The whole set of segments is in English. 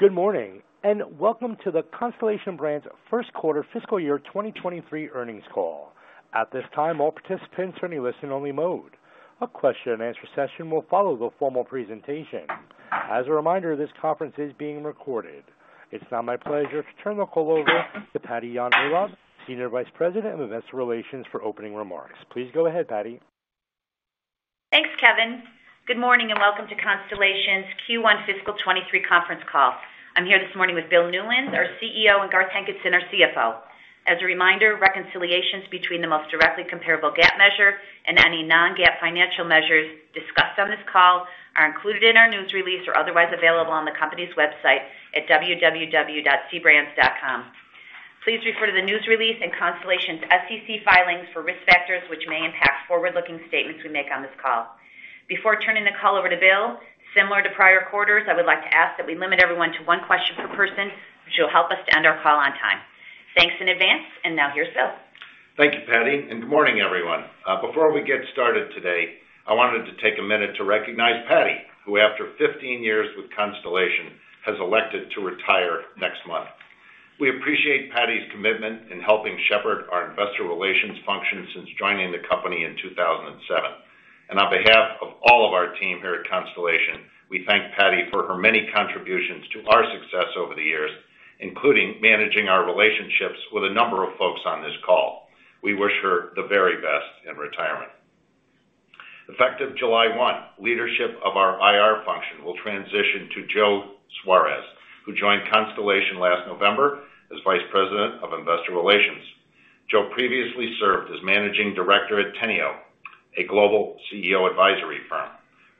Good morning, and welcome to the Constellation Brands first quarter fiscal year 2023 earnings call. At this time, all participants are in a listen-only mode. A question-and-answer session will follow the formal presentation. As a reminder, this conference is being recorded. It's now my pleasure to turn the call over to Patty Yahn-Urlaub, Senior Vice President of Investor Relations for opening remarks. Please go ahead, Patty. Thanks, Kevin. Good morning and welcome to Constellation's Q1 fiscal 2023 conference call. I'm here this morning with Bill Newlands, our CEO, and Garth Hankinson, our CFO. As a reminder, reconciliations between the most directly comparable GAAP measure and any non-GAAP financial measures discussed on this call are included in our news release or otherwise available on the company's website at www.cbrands.com. Please refer to the news release and Constellation's SEC filings for risk factors which may impact forward-looking statements we make on this call. Before turning the call over to Bill, similar to prior quarters, I would like to ask that we limit everyone to one question per person, which will help us to end our call on time. Thanks in advance, and now here's Bill. Thank you, Patty, and good morning, everyone. Before we get started today, I wanted to take a minute to recognize Patty, who after 15 years with Constellation, has elected to retire next month. We appreciate Patty's commitment in helping shepherd our investor relations function since joining the company in 2007. On behalf of all of our team here at Constellation, we thank Patty for her many contributions to our success over the years, including managing our relationships with a number of folks on this call. We wish her the very best in retirement. Effective July 1, leadership of our IR function will transition to Joe Suarez, who joined Constellation last November as Vice President of Investor Relations. Joe previously served as Managing Director at Teneo, a global CEO advisory firm.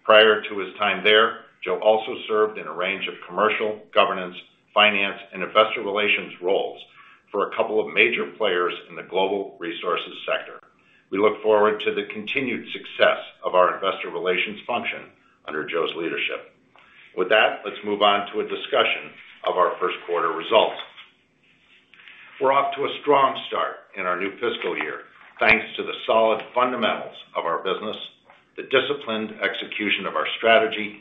Prior to his time there, Joe also served in a range of commercial, governance, finance, and investor relations roles for a couple of major players in the global resources sector. We look forward to the continued success of our investor relations function under Joe's leadership. With that, let's move on to a discussion of our first quarter results. We're off to a strong start in our new fiscal year, thanks to the solid fundamentals of our business, the disciplined execution of our strategy,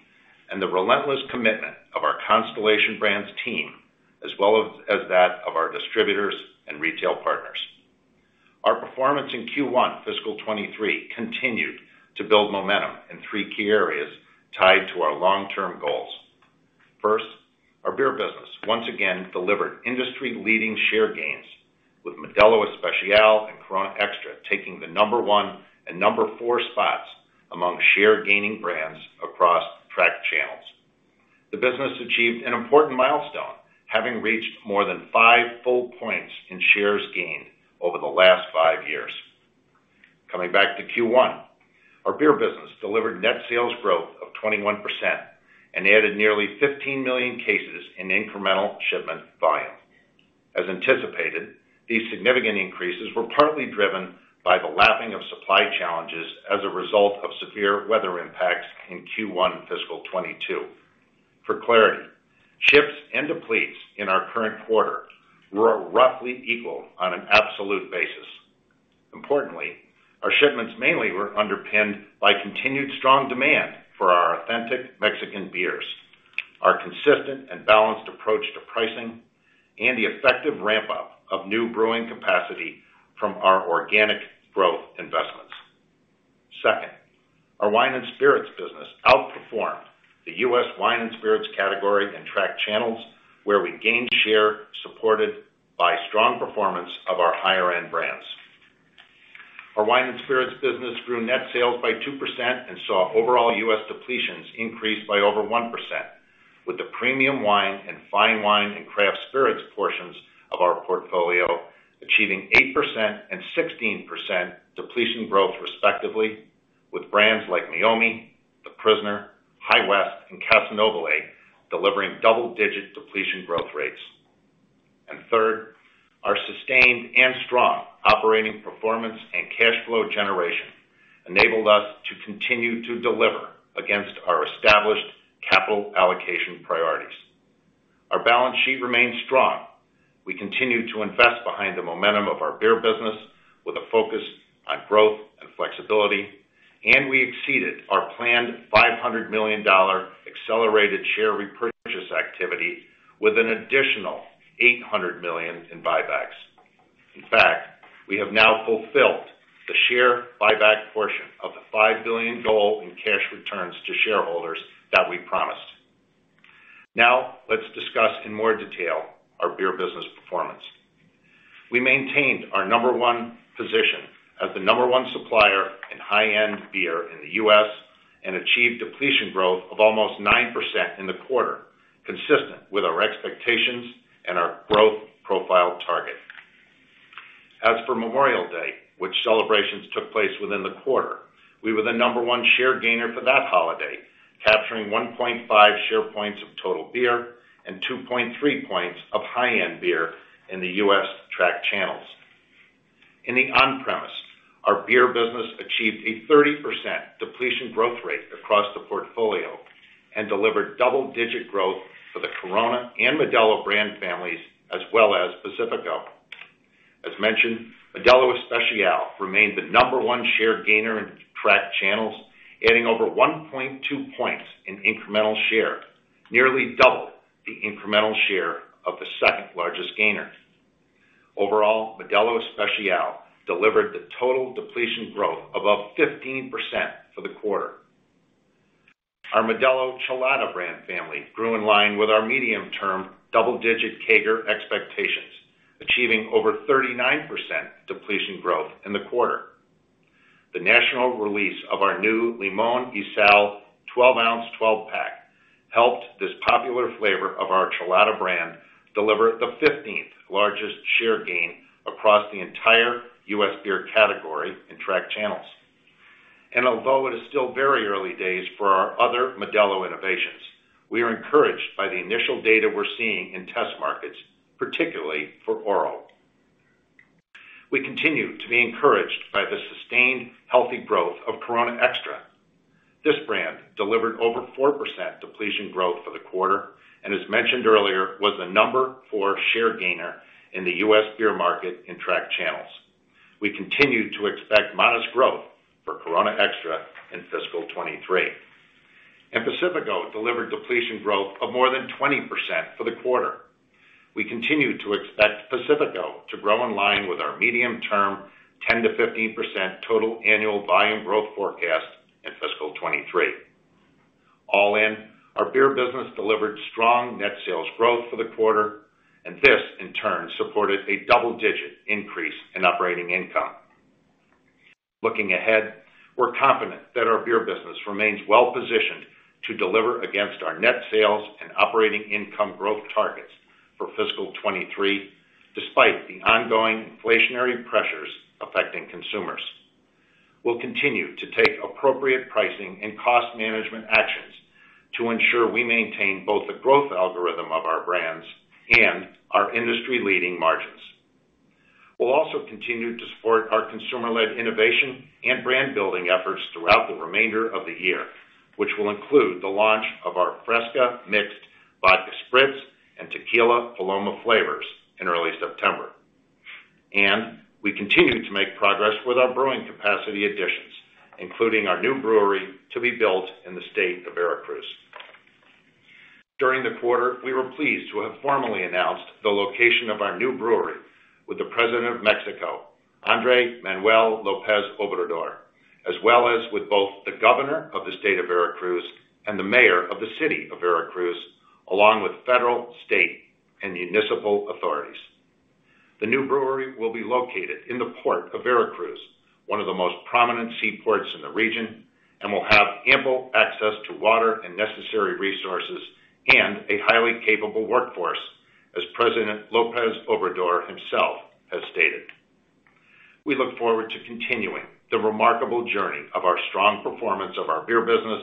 and the relentless commitment of our Constellation Brands team, as well as that of our distributors and retail partners. Our performance in Q1 fiscal 2023 continued to build momentum in three key areas tied to our long-term goals. First, our beer business once again delivered industry-leading share gains with Modelo Especial and Corona Extra taking the number one and number four spots among share gaining brands across tracked channels. The business achieved an important milestone, having reached more than 5 full points in shares gained over the last five years. Coming back to Q1, our beer business delivered net sales growth of 21% and added nearly 15 million cases in incremental shipment volume. As anticipated, these significant increases were partly driven by the lapping of supply challenges as a result of severe weather impacts in Q1 fiscal 2022. For clarity, shipments and depletions in our current quarter were roughly equal on an absolute basis. Importantly, our shipments mainly were underpinned by continued strong demand for our authentic Mexican beers, our consistent and balanced approach to pricing, and the effective ramp-up of new brewing capacity from our organic growth investments. Second, our wine and spirits business outperformed the U.S. wine and spirits category in tracked channels where we gained share supported by strong performance of our higher-end brands. Our wine and spirits business grew net sales by 2% and saw overall U.S. depletions increase by over 1%, with the premium wine and fine wine and craft spirits portions of our portfolio achieving 8% and 16% depletion growth, respectively, with brands like Meiomi, The Prisoner, High West, and Casa Noble delivering double-digit depletion growth rates. Third, our sustained and strong operating performance and cash flow generation enabled us to continue to deliver against our established capital allocation priorities. Our balance sheet remains strong. We continue to invest behind the momentum of our beer business with a focus on growth and flexibility, and we exceeded our planned $500 million accelerated share repurchase activity with an additional $800 million in buybacks. In fact, we have now fulfilled the share buyback portion of the $5 billion goal in cash returns to shareholders that we promised. Now let's discuss in more detail our beer business performance. We maintained our number one position as the number one supplier in high-end beer in the U.S. and achieved depletion growth of almost 9% in the quarter, consistent with our expectations and our growth profile target. As for Memorial Day, which celebrations took place within the quarter, we were the number one share gainer for that holiday, capturing 1.5 share points of total beer and 2.3 points of high-end beer in the U.S. tracked channels. In the on-premise, our beer business achieved a 30% depletion growth rate across the portfolio and delivered double-digit growth for the Corona and Modelo brand families, as well as Pacifico. As mentioned, Modelo Especial remained the number one share gainer in tracked channels, adding over 1.2 points in incremental share, nearly double the incremental share of the second largest gainer. Overall, Modelo Especial delivered the total depletion growth above 15% for the quarter. Our Modelo Chelada brand family grew in line with our medium-term double-digit CAGR expectations, achieving over 39% depletion growth in the quarter. The national release of our new Limón y Sal 12 oz 12-pack helped this popular flavor of our Chelada brand deliver the 15th largest share gain across the entire U.S. beer category in tracked channels. Although it is still very early days for our other Modelo innovations, we are encouraged by the initial data we're seeing in test markets, particularly for Oro. We continue to be encouraged by the sustained healthy growth of Corona Extra. This brand delivered over 4% depletion growth for the quarter, and as mentioned earlier, was the number four share gainer in the U.S. beer market in tracked channels. We continue to expect modest growth for Corona Extra in fiscal 2023. Pacifico delivered depletion growth of more than 20% for the quarter. We continue to expect Pacifico to grow in line with our medium-term 10%-15% total annual volume growth forecast in fiscal 2023. All in, our beer business delivered strong net sales growth for the quarter, and this in turn supported a double-digit increase in operating income. Looking ahead, we're confident that our beer business remains well-positioned to deliver against our net sales and operating income growth targets for fiscal 2023, despite the ongoing inflationary pressures affecting consumers. We'll continue to take appropriate pricing and cost management actions to ensure we maintain both the growth algorithm of our brands and our industry-leading margins. We'll also continue to support our consumer-led innovation and brand building efforts throughout the remainder of the year, which will include the launch of our Fresca Mixed Vodka Spritz and Tequila Paloma flavors in early September. We continue to make progress with our brewing capacity additions, including our new brewery to be built in the state of Veracruz. During the quarter, we were pleased to have formally announced the location of our new brewery with the President of Mexico, Andrés Manuel López Obrador, as well as with both the governor of the state of Veracruz and the mayor of the city of Veracruz, along with federal, state, and municipal authorities. The new brewery will be located in the Port of Veracruz, one of the most prominent seaports in the region, and will have ample access to water and necessary resources and a highly capable workforce, as President López Obrador himself has stated. We look forward to continuing the remarkable journey of our strong performance of our beer business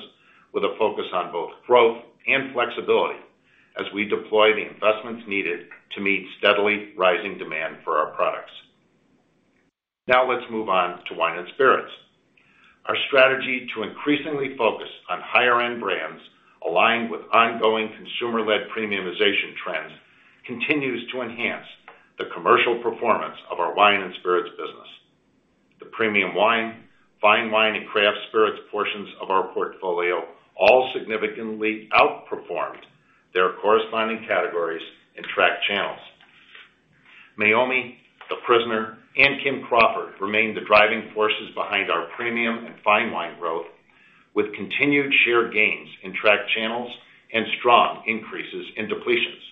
with a focus on both growth and flexibility as we deploy the investments needed to meet steadily rising demand for our products. Now let's move on to wine and spirits. Our strategy to increasingly focus on higher-end brands aligned with ongoing consumer-led premiumization trends continues to enhance the commercial performance of our wine and spirits business. The premium wine, fine wine, and craft spirits portions of our portfolio all significantly outperformed their corresponding categories in tracked channels. Meiomi, The Prisoner, and Kim Crawford remained the driving forces behind our premium and fine wine growth, with continued share gains in tracked channels and strong increases in depletions.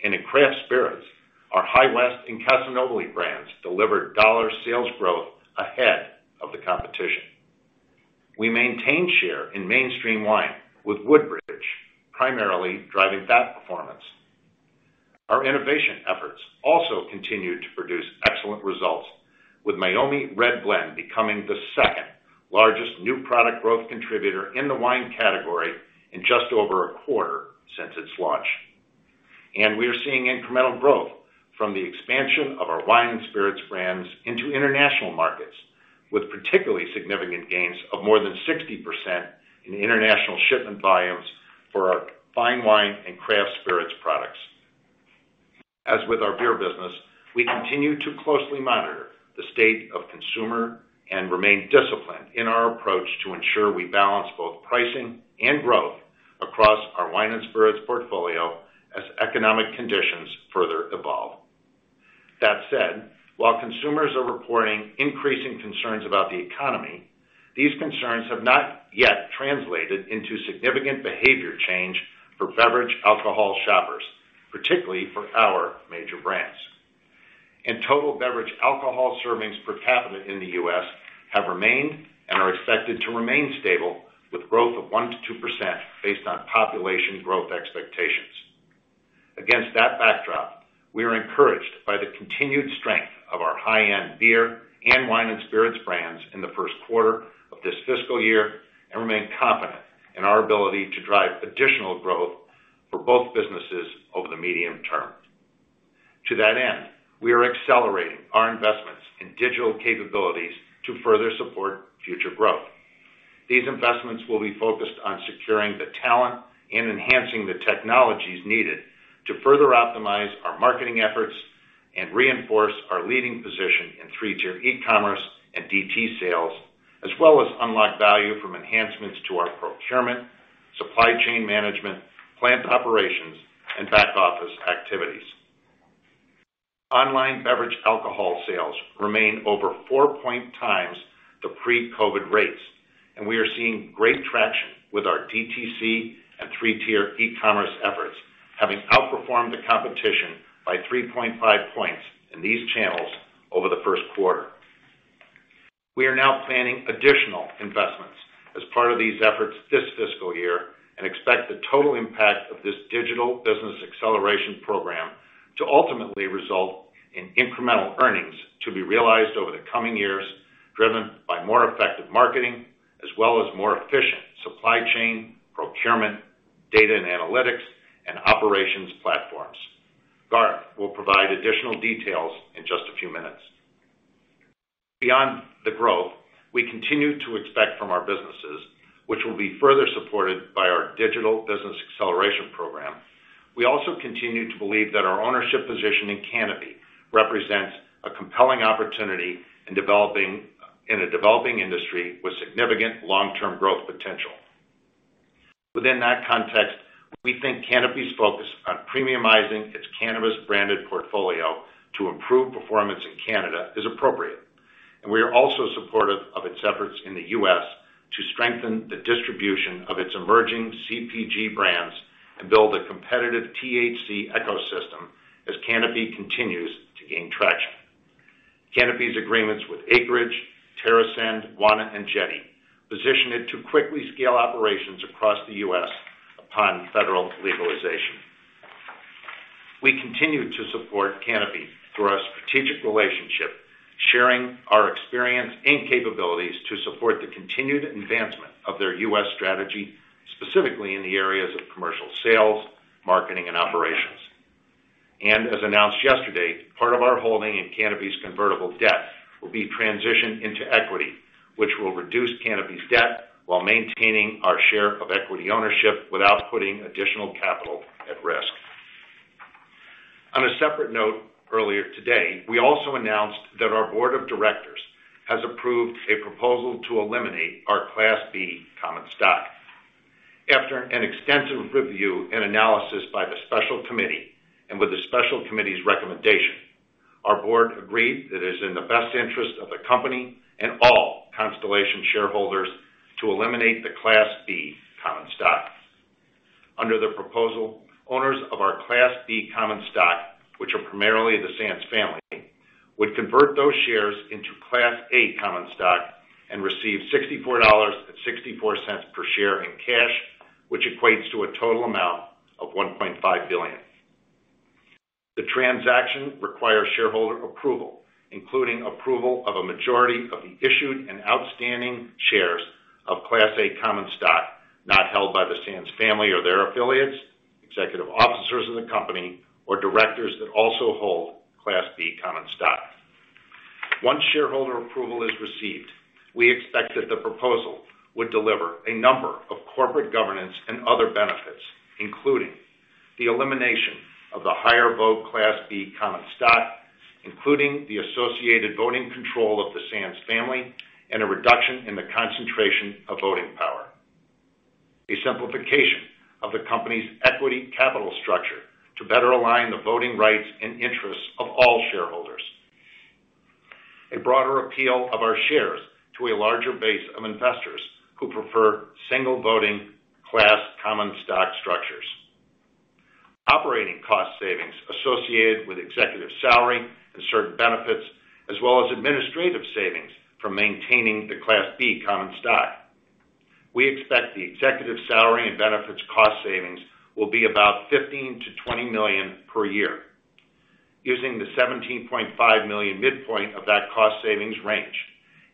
In craft spirits, our High West and Casa Noble brands delivered dollar sales growth ahead of the competition. We maintained share in mainstream wine with Woodbridge primarily driving that performance. Our innovation efforts also continued to produce excellent results, with Meiomi Red Blend becoming the second largest new product growth contributor in the wine category in just over a quarter since its launch. We are seeing incremental growth from the expansion of our wine and spirits brands into international markets, with particularly significant gains of more than 60% in international shipment volumes for our fine wine and craft spirits products. As with our beer business, we continue to closely monitor the state of consumer and remain disciplined in our approach to ensure we balance both pricing and growth across our wine and spirits portfolio as economic conditions further evolve. That said, while consumers are reporting increasing concerns about the economy, these concerns have not yet translated into significant behavior change for beverage alcohol shoppers, particularly for our major brands. Total beverage alcohol servings per capita in the U.S. have remained and are expected to remain stable, with growth of 1%-2% based on population growth expectations. Against that backdrop, we are encouraged by the continued strength of our high-end beer and wine and spirits brands in the first quarter of this fiscal year, and remain confident in our ability to drive additional growth for both businesses over the medium term. To that end, we are accelerating our investments in digital capabilities to further support future growth. These investments will be focused on securing the talent and enhancing the technologies needed to further optimize our marketing efforts and reinforce our leading position in three-tier e-commerce and DTC sales, as well as unlock value from enhancements to our procurement, supply chain management, plant operations, and back-office activities. Online beverage alcohol sales remain over 4 point times the pre-COVID rates, and we are seeing great traction with our DTC and three-tier e-commerce efforts, having outperformed the competition by 3.5 points in these channels over the first quarter. We are now planning additional investments as part of these efforts this fiscal year and expect the total impact of this digital business acceleration program to ultimately result in incremental earnings to be realized over the coming years, driven by more effective marketing as well as more efficient supply chain procurement, data and analytics, and operations platforms. Garth will provide additional details in just a few minutes. Beyond the growth we continue to expect from our businesses, which will be further supported by our digital business acceleration program, we also continue to believe that our ownership position in Canopy represents a compelling opportunity in a developing industry with significant long-term growth potential. Within that context, we think Canopy's focus on premiumizing its cannabis branded portfolio to improve performance in Canada is appropriate, and we are also supportive of its efforts in the U.S. to strengthen the distribution of its emerging CPG brands and build a competitive THC ecosystem as Canopy continues to gain traction. Canopy's agreements with Acreage, TerrAscend, Wana, and Jetty position it to quickly scale operations across the U.S. upon federal legalization. We continue to support Canopy through our strategic relationship, sharing our experience and capabilities to support the continued advancement of their U.S. strategy, specifically in the areas of commercial sales, marketing, and operations. As announced yesterday, part of our holding in Canopy's convertible debt will be transitioned into equity, which will reduce Canopy's debt while maintaining our share of equity ownership without putting additional capital at risk. On a separate note earlier today, we also announced that our board of directors has approved a proposal to eliminate our Class B common stock. After an extensive review and analysis by the special committee, and with the special committee's recommendation, our board agreed that it is in the best interest of the company and all Constellation shareholders to eliminate the Class B common stock. Under the proposal, owners of our Class B common stock, which are primarily the Sands family, would convert those shares into Class A common stock and receive $64.64 per share in cash, which equates to a total amount of $1.5 billion. The transaction requires shareholder approval, including approval of a majority of the issued and outstanding shares of Class A common stock not held by the Sands family or their affiliates, executive officers of the company, or directors that also hold Class B common stock. Once shareholder approval is received, we expect that the proposal would deliver a number of corporate governance and other benefits, including the elimination of the higher vote Class B common stock, including the associated voting control of the Sands family and a reduction in the concentration of voting power. A simplification of the company's equity capital structure to better align the voting rights and interests of all shareholders. A broader appeal of our shares to a larger base of investors who prefer single voting class common stock structures. Operating cost savings associated with executive salary and certain benefits, as well as administrative savings from maintaining the Class B common stock. We expect the executive salary and benefits cost savings will be about $15 million-$20 million per year. Using the $17.5 million midpoint of that cost savings range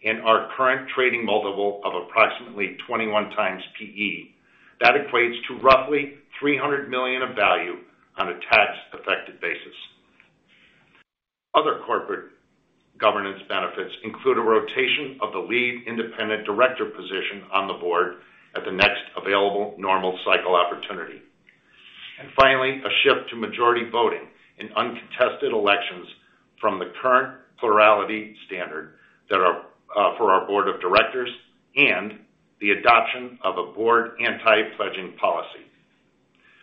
and our current trading multiple of approximately 21x PE, that equates to roughly $300 million of value on a tax-affected basis. Other corporate governance benefits include a rotation of the lead independent director position on the board at the next available normal cycle opportunity. Finally, a shift to majority voting in uncontested elections from the current plurality standard that are for our board of directors and the adoption of a board anti-pledging policy.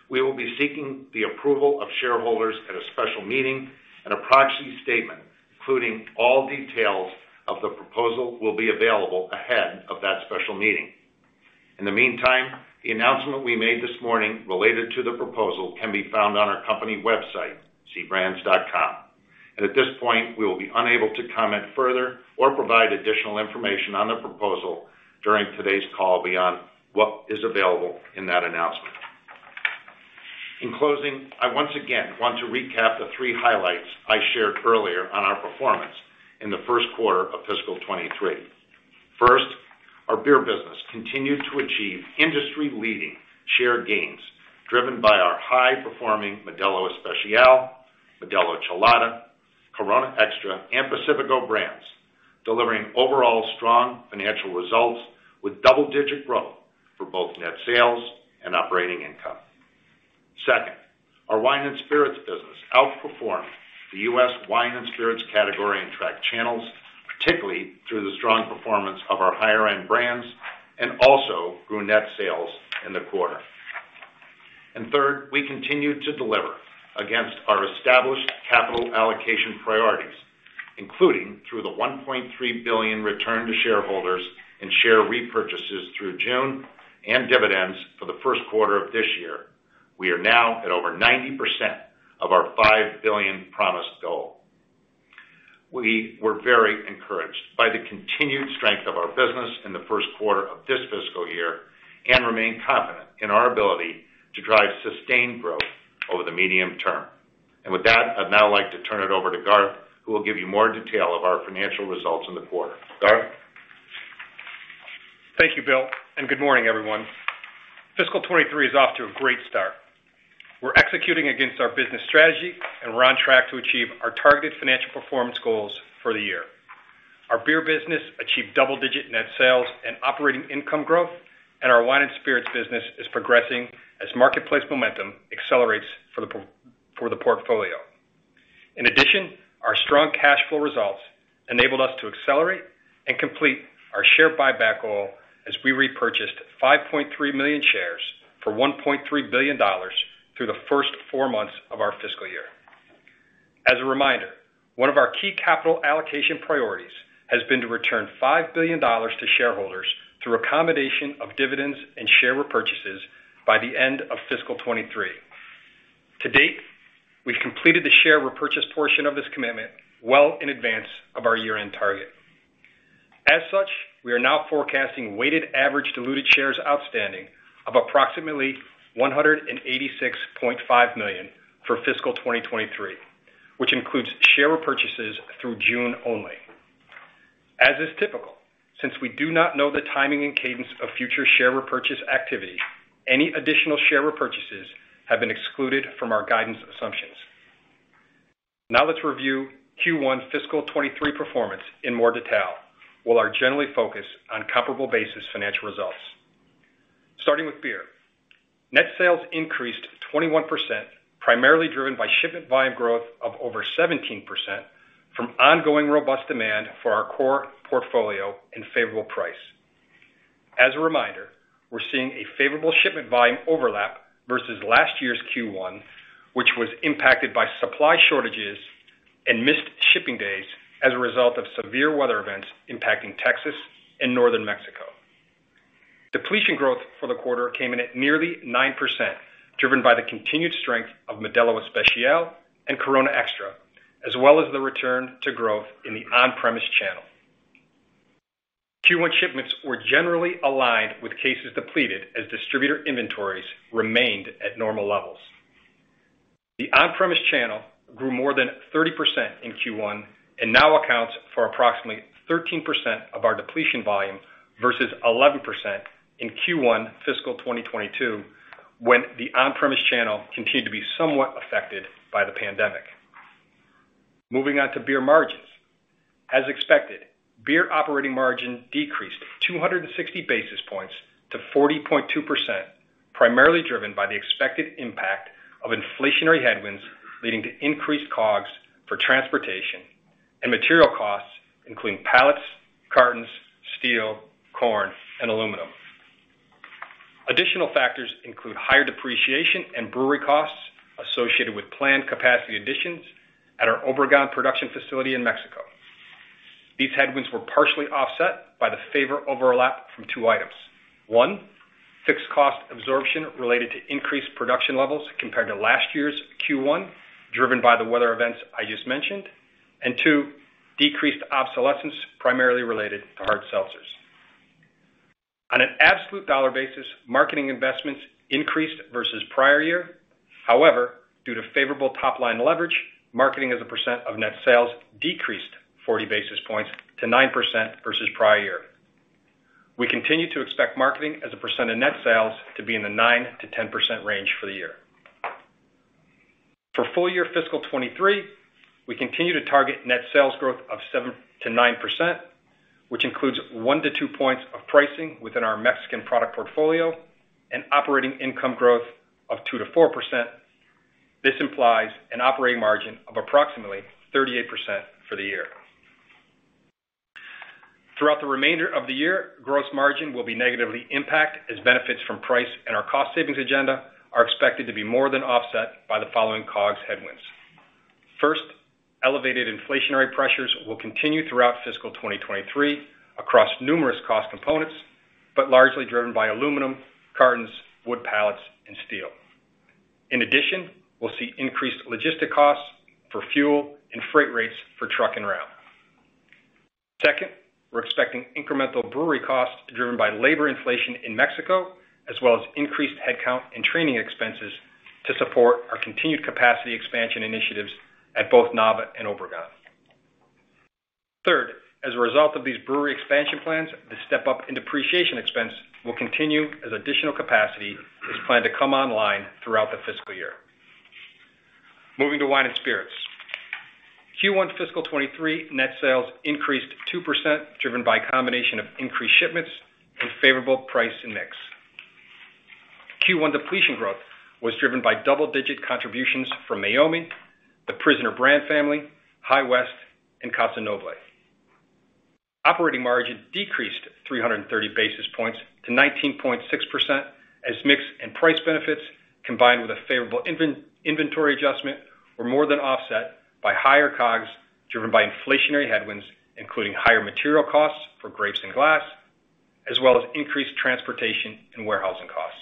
We will be seeking the approval of shareholders at a special meeting, and a proxy statement including all details of the proposal will be available ahead of that special meeting. In the meantime, the announcement we made this morning related to the proposal can be found on our company website, cbrands.com. At this point, we will be unable to comment further or provide additional information on the proposal during today's call beyond what is available in that announcement. In closing, I once again want to recap the three highlights I shared earlier on our performance in the first quarter of fiscal 2023. First, our beer business continued to achieve industry-leading share gains driven by our high-performing Modelo Especial, Modelo Chelada, Corona Extra, and Pacifico brands, delivering overall strong financial results with double-digit growth for both net sales and operating income. Second, our wine and spirits business outperformed the U.S. wine and spirits category in tracked channels, particularly through the strong performance of our higher-end brands, and also grew net sales in the quarter. Third, we continued to deliver against our established capital allocation priorities, including through the $1.3 billion return to shareholders in share repurchases through June and dividends for the first quarter of this year. We are now at over 90% of our $5 billion promised goal. We were very encouraged by the continued strength of our business in the first quarter of this fiscal year and remain confident in our ability to drive sustained growth over the medium term. With that, I'd now like to turn it over to Garth, who will give you more detail of our financial results in the quarter. Garth? Thank you, Bill, and good morning, everyone. Fiscal 2023 is off to a great start. We're executing against our business strategy, and we're on track to achieve our targeted financial performance goals for the year. Our beer business achieved double-digit net sales and operating income growth, and our wine and spirits business is progressing as marketplace momentum accelerates for the portfolio. In addition, our strong cash flow results enabled us to accelerate and complete our share buyback goal as we repurchased 5.3 million shares for $1.3 billion through the first four months of our fiscal year. As a reminder, one of our key capital allocation priorities has been to return $5 billion to shareholders through combination of dividends and share repurchases by the end of fiscal 2023. To date, we've completed the share repurchase portion of this commitment well in advance of our year-end target. As such, we are now forecasting weighted average diluted shares outstanding of approximately 186.5 million for fiscal 2023, which includes share repurchases through June only. As is typical, since we do not know the timing and cadence of future share repurchase activity, any additional share repurchases have been excluded from our guidance assumptions. Now let's review Q1 fiscal 2023 performance in more detail, while we're generally focused on comparable basis financial results. Starting with beer. Net sales increased 21%, primarily driven by shipment volume growth of over 17% from ongoing robust demand for our core portfolio and favorable price. As a reminder, we're seeing a favorable shipment volume overlap versus last year's Q1, which was impacted by supply shortages and missed shipping days as a result of severe weather events impacting Texas and Northern Mexico. Depletion growth for the quarter came in at nearly 9%, driven by the continued strength of Modelo Especial and Corona Extra, as well as the return to growth in the on-premise channel. Q1 shipments were generally aligned with cases depleted as distributor inventories remained at normal levels. The on-premise channel grew more than 30% in Q1 and now accounts for approximately 13% of our depletion volume versus 11% in Q1 fiscal 2022, when the on-premise channel continued to be somewhat affected by the pandemic. Moving on to beer margins. As expected, beer operating margin decreased 260 basis points to 40.2%, primarily driven by the expected impact of inflationary headwinds, leading to increased COGS for transportation and material costs, including pallets, cartons, steel, corn, and aluminum. Additional factors include higher depreciation and brewery costs associated with planned capacity additions at our Obregón production facility in Mexico. These headwinds were partially offset by the favorable overlap from two items. One, fixed cost absorption related to increased production levels compared to last year's Q1, driven by the weather events I just mentioned. And two, decreased obsolescence primarily related to hard seltzers. On an absolute dollar basis, marketing investments increased versus prior year. However, due to favorable top-line leverage, marketing as a percent of net sales decreased 40 basis points to 9% versus prior year. We continue to expect marketing as a percent of net sales to be in the 9%-10% range for the year. For full year fiscal 2023, we continue to target net sales growth of 7%-9%, which includes 1-2 points of pricing within our Mexican product portfolio and operating income growth of 2%-4%. This implies an operating margin of approximately 38% for the year. Throughout the remainder of the year, gross margin will be negatively impacted as benefits from price and our cost savings agenda are expected to be more than offset by the following COGS headwinds. First, elevated inflationary pressures will continue throughout fiscal 2023 across numerous cost components, but largely driven by aluminum, cartons, wood pallets, and steel. In addition, we'll see increased logistic costs for fuel and freight rates for truck and rail. Second, we're expecting incremental brewery costs driven by labor inflation in Mexico, as well as increased headcount and training expenses to support our continued capacity expansion initiatives at both Nava and Obregón. Third, as a result of these brewery expansion plans, the step up in depreciation expense will continue as additional capacity is planned to come online throughout the fiscal year. Moving to wine and spirits. Q1 fiscal 2023 net sales increased 2%, driven by a combination of increased shipments and favorable price and mix. Q1 depletion growth was driven by double-digit contributions from Meiomi, The Prisoner brand family, High West, and Casa Noble. Operating margin decreased 330 basis points to 19.6% as mix and price benefits, combined with a favorable inventory adjustment, were more than offset by higher COGS, driven by inflationary headwinds, including higher material costs for grapes and glass, as well as increased transportation and warehousing costs.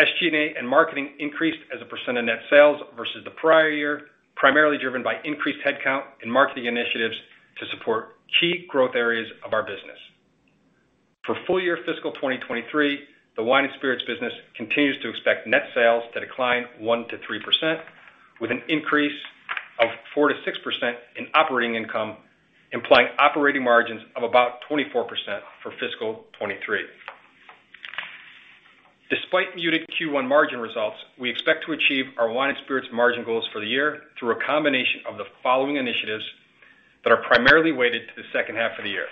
SG&A and marketing increased as a percent of net sales versus the prior year, primarily driven by increased headcount and marketing initiatives to support key growth areas of our business. For full year fiscal 2023, the wine and spirits business continues to expect net sales to decline 1%-3%, with an increase of 4%-6% in operating income, implying operating margins of about 24% for fiscal 2023. Despite muted Q1 margin results, we expect to achieve our wine and spirits margin goals for the year through a combination of the following initiatives that are primarily weighted to the second half of the year.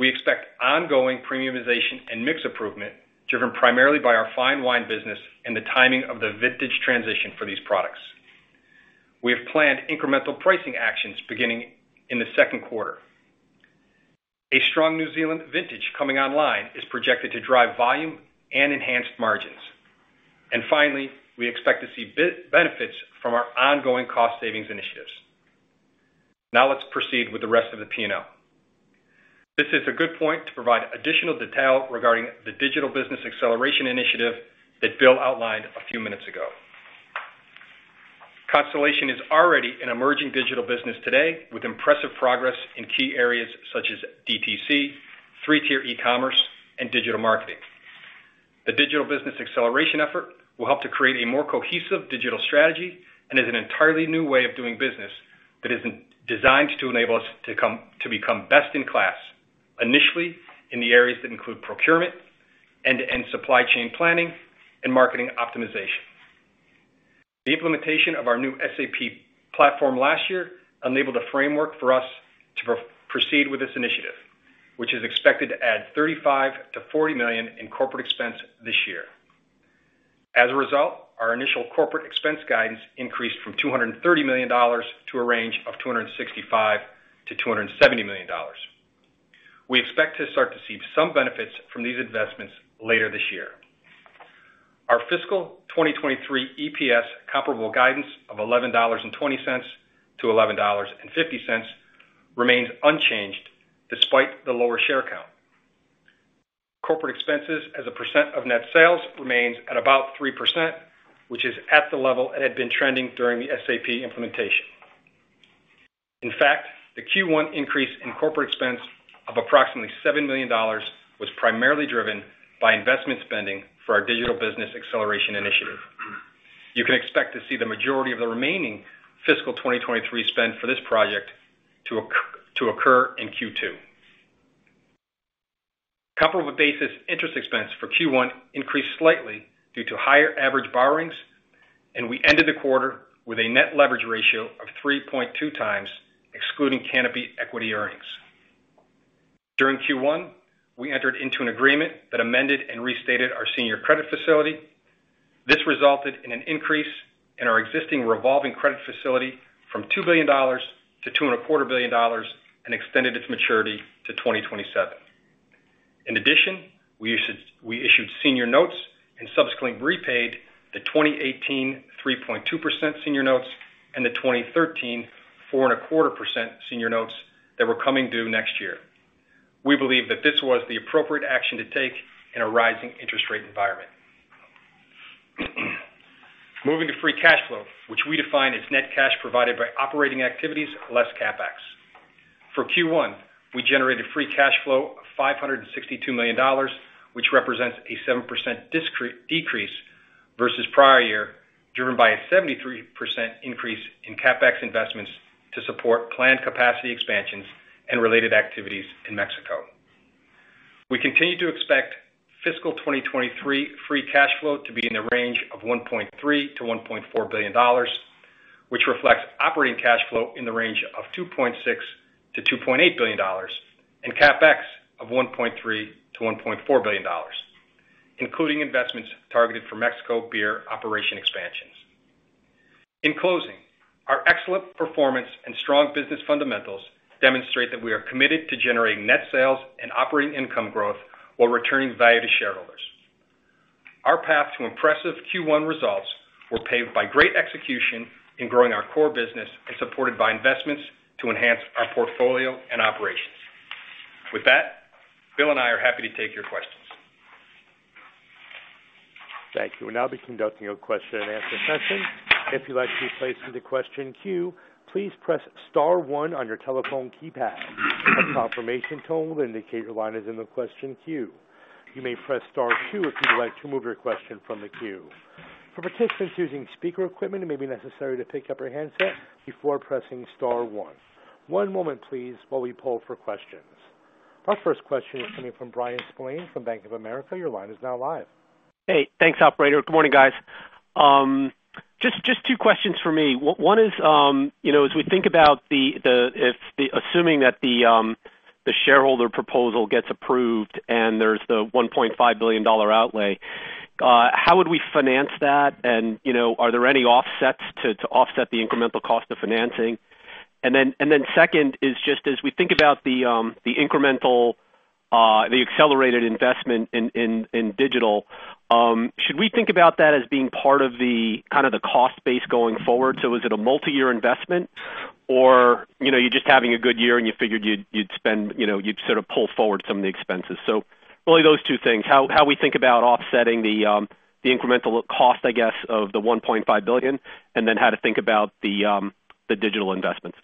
We expect ongoing premiumization and mix improvement, driven primarily by our fine wine business and the timing of the vintage transition for these products. We have planned incremental pricing actions beginning in the second quarter. A strong New Zealand vintage coming online is projected to drive volume and enhanced margins. Finally, we expect to see big benefits from our ongoing cost savings initiatives. Now let's proceed with the rest of the P&L. This is a good point to provide additional detail regarding the digital business acceleration initiative that Bill outlined a few minutes ago. Constellation is already an emerging digital business today with impressive progress in key areas such as DTC, three-tier e-commerce, and digital marketing. The digital business acceleration effort will help to create a more cohesive digital strategy and is an entirely new way of doing business that is designed to enable us to become best in class, initially in the areas that include procurement, end-to-end supply chain planning, and marketing optimization. The implementation of our new SAP platform last year enabled a framework for us to proceed with this initiative, which is expected to add $35 million-$40 million in corporate expense this year. As a result, our initial corporate expense guidance increased from $230 million to a range of $265 million-$270 million. We expect to start to see some benefits from these investments later this year. Our fiscal 2023 EPS comparable guidance of $11.20-$11.50 remains unchanged despite the lower share count. Corporate expenses as a percent of net sales remains at about 3%, which is at the level it had been trending during the SAP implementation. In fact, the Q1 increase in corporate expense of approximately $7 million was primarily driven by investment spending for our digital business acceleration initiative. You can expect to see the majority of the remaining fiscal 2023 spend for this project to occur in Q2. Comparable basis interest expense for Q1 increased slightly due to higher average borrowings, and we ended the quarter with a net leverage ratio of 3.2x, excluding Canopy equity earnings. During Q1, we entered into an agreement that amended and restated our senior credit facility. This resulted in an increase in our existing revolving credit facility from $2 billion to $2.25 billion and extended its maturity to 2027. In addition, we issued senior notes and subsequently repaid the 2018 3.2% senior notes and the 2013 4.25% senior notes that were coming due next year. We believe that this was the appropriate action to take in a rising interest rate environment. Moving to free cash flow, which we define as net cash provided by operating activities, less CapEx. For Q1, we generated free cash flow of $562 million, which represents a 7% decrease versus prior year, driven by a 73% increase in CapEx investments to support planned capacity expansions and related activities in Mexico. We continue to expect fiscal 2023 free cash flow to be in the range of $1.3 billion-$1.4 billion, which reflects operating cash flow in the range of $2.6 billion-$2.8 billion and CapEx of $1.3 billion-$1.4 billion, including investments targeted for Mexico beer operation expansions. In closing, our excellent performance and strong business fundamentals demonstrate that we are committed to generating net sales and operating income growth while returning value to shareholders. Our path to impressive Q1 results were paved by great execution in growing our core business and supported by investments to enhance our portfolio and operations. With that, Bill and I are happy to take your questions. Thank you. We'll now be conducting a question and answer session. If you'd like to be placed in the question queue, please press star one on your telephone keypad. A confirmation tone will indicate your line is in the question queue. You may press star two if you'd like to move your question from the queue. For participants using speaker equipment, it may be necessary to pick up your handset before pressing star one. One moment please while we poll for questions. Our first question is coming from Bryan Spillane from Bank of America. Your line is now live. Hey, thanks operator. Good morning, guys. Just two questions for me. One is, you know, as we think about assuming that the shareholder proposal gets approved and there's the $1.5 billion outlay, how would we finance that? You know, are there any offsets to offset the incremental cost of financing? Second is just as we think about the incremental, the accelerated investment in digital, should we think about that as being part of the kind of the cost base going forward? Is it a multi-year investment or, you know, you're just having a good year and you figured you'd spend, you know, you'd sort of pull forward some of the expenses. Really those two things. How we think about offsetting the incremental cost, I guess, of the $1.5 billion, and then how to think about the digital investments.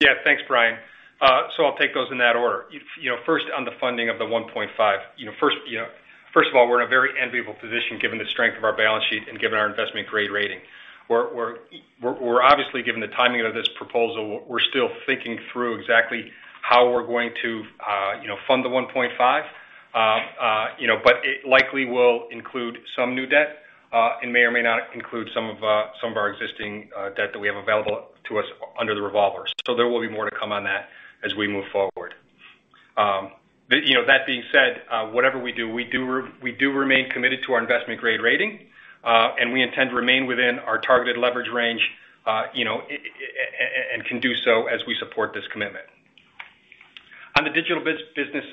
Yeah. Thanks, Bryan. So I'll take those in that order. You know, first on the funding of the $1.5 billion. You know, first of all, we're in a very enviable position given the strength of our balance sheet and given our investment-grade rating. We're obviously, given the timing of this proposal, we're still thinking through exactly how we're going to fund the $1.5 billion. You know, but it likely will include some new debt, and may or may not include some of our existing debt that we have available to us under the revolver. There will be more to come on that as we move forward. you know, that being said, whatever we do, we do remain committed to our investment-grade rating, and we intend to remain within our targeted leverage range, you know, and can do so as we support this commitment. On the digital business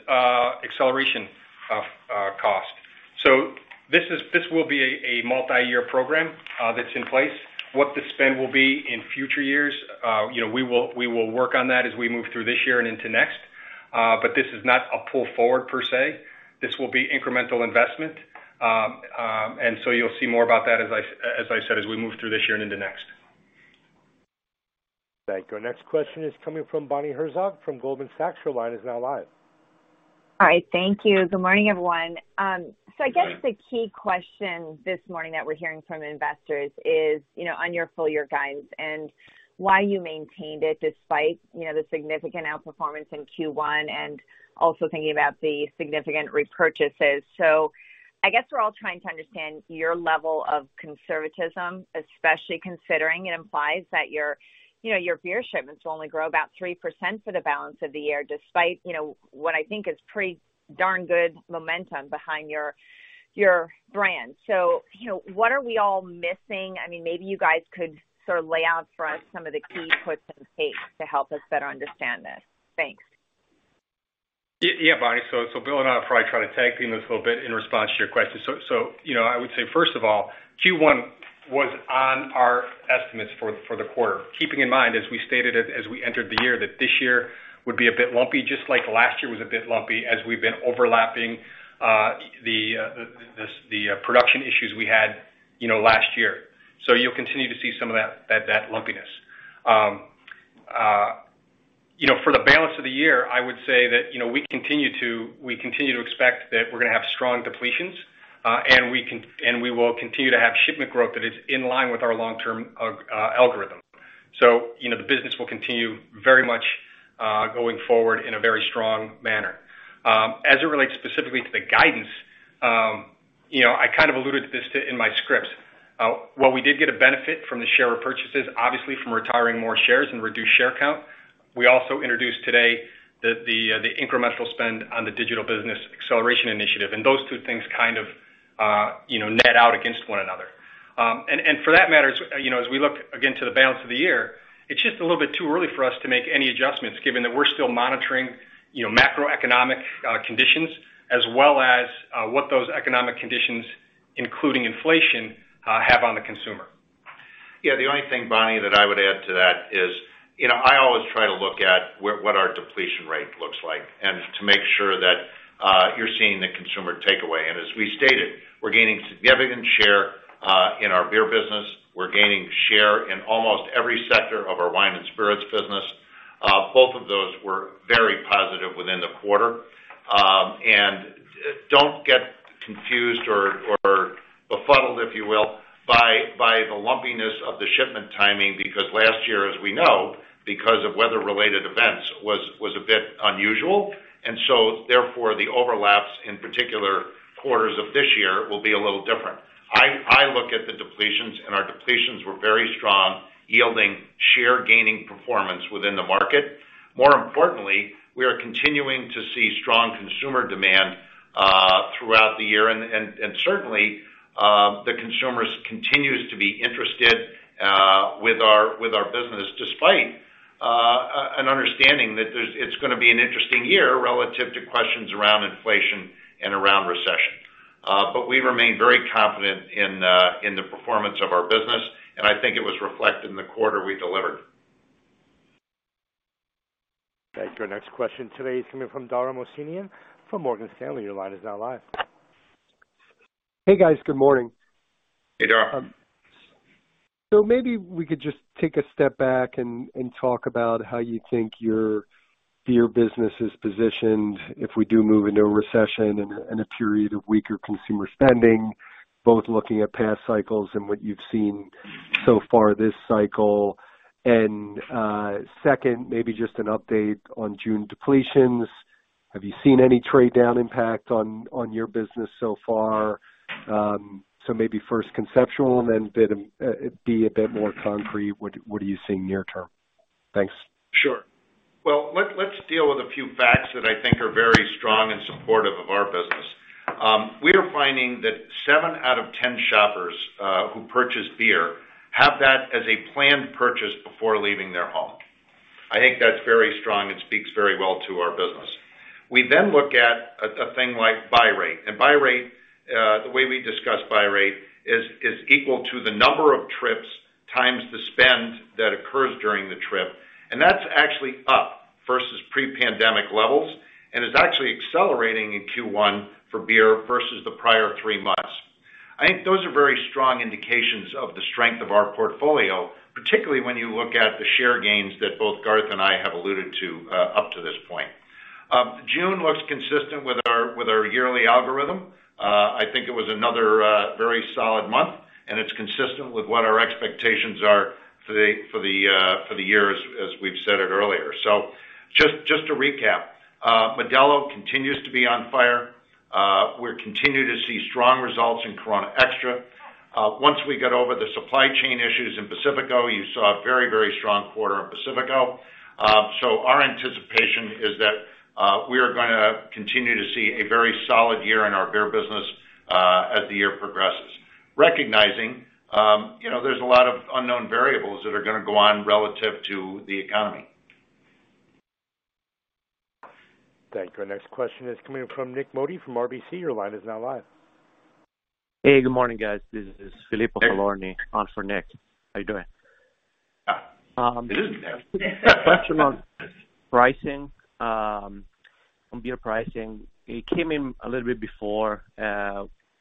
acceleration of cost. This will be a multi-year program that's in place. What the spend will be in future years, you know, we will work on that as we move through this year and into next. This is not a pull forward per se. This will be incremental investment. You'll see more about that, as I said, as we move through this year and into next. Thank you. Our next question is coming from Bonnie Herzog from Goldman Sachs. Your line is now live. All right. Thank you. Good morning, everyone. I guess the key question this morning that we're hearing from investors is, you know, on your full year guidance and why you maintained it despite, you know, the significant outperformance in Q1 and also thinking about the significant repurchases. I guess we're all trying to understand your level of conservatism, especially considering it implies that your, you know, your beer shipments will only grow about 3% for the balance of the year, despite, you know, what I think is pretty darn good momentum behind your brand. You know, what are we all missing? I mean, maybe you guys could sort of lay out for us some of the key puts and takes to help us better understand this. Thanks. Yeah, Bonnie. Bill and I will probably try to tag team this a little bit in response to your question. You know, I would say first of all, Q1 was on our estimates for the quarter. Keeping in mind, as we stated it as we entered the year, that this year would be a bit lumpy, just like last year was a bit lumpy as we've been overlapping the production issues we had, you know, last year. You'll continue to see some of that lumpiness. You know, for the balance of the year, I would say that, you know, we continue to expect that we're gonna have strong depletions, and we will continue to have shipment growth that is in line with our long-term algorithm. You know, the business will continue very much going forward in a very strong manner. As it relates specifically to the guidance, you know, I kind of alluded to this in my script. While we did get a benefit from the share repurchases, obviously from retiring more shares and reduced share count, we also introduced today the incremental spend on the digital business acceleration initiative. Those two things kind of, you know, net out against one another. For that matter, you know, as we look again to the balance of the year, it's just a little bit too early for us to make any adjustments, given that we're still monitoring, you know, macroeconomic conditions as well as what those economic conditions, including inflation, have on the consumer. Yeah. The only thing, Bonnie, that I would add to that is, you know, I always try to look at what our depletion rate looks like and to make sure that you're seeing the consumer takeaway. As we stated, we're gaining significant share in our beer business. We're gaining share in almost every sector of our wine and spirits business. Both of those were very positive within the quarter. Don't get confused or befuddled, if you will, by the lumpiness of the shipment timing, because last year, as we know, because of weather-related events, was a bit unusual. Therefore, the overlaps in particular quarters of this year will be a little different. I look at the depletions, and our depletions were very strong, yielding share gaining performance within the market. More importantly, we are continuing to see strong consumer demand throughout the year. Certainly, the consumers continues to be interested with our business, despite an understanding that it's gonna be an interesting year relative to questions around inflation and around recession. We remain very confident in the performance of our business, and I think it was reflected in the quarter we delivered. Thank you. Our next question today is coming from Dara Mohsenian from Morgan Stanley. Your line is now live. Hey guys, good morning. Hey, Dara. Maybe we could just take a step back and talk about how you think your beer business is positioned if we do move into a recession and a period of weaker consumer spending, both looking at past cycles and what you've seen so far this cycle. Second, maybe just an update on June depletions. Have you seen any trade down impact on your business so far? Maybe first conceptual and then be a bit more concrete. What are you seeing near term? Thanks. Sure. Well, let's deal with a few facts that I think are very strong and supportive of our business. We are finding that seven out of ten shoppers who purchase beer have that as a planned purchase before leaving their home. I think that's very strong and speaks very well to our business. We then look at a thing like buy rate, and buy rate the way we discuss buy rate is equal to the number of trips times the spend that occurs during the trip, and that's actually up versus pre-pandemic levels. Is actually accelerating in Q1 for beer versus the prior three months. I think those are very strong indications of the strength of our portfolio, particularly when you look at the share gains that both Garth and I have alluded to up to this point. June looks consistent with our yearly algorithm. I think it was another very solid month, and it's consistent with what our expectations are for the year as we've said it earlier. Just to recap, Modelo continues to be on fire. We continue to see strong results in Corona Extra. Once we get over the supply chain issues in Pacifico, you saw a very strong quarter in Pacifico. So our anticipation is that we are gonna continue to see a very solid year in our beer business as the year progresses. Recognizing you know, there's a lot of unknown variables that are gonna go on relative to the economy. Thank you. Our next question is coming from Nik Modi from RBC. Your line is now live. Hey, good morning guys. This is Filippo Falorni on for Nik. How you doing? It isn't Nik. Question on pricing, on beer pricing. It came in a little bit before